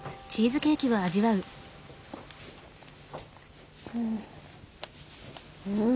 うん。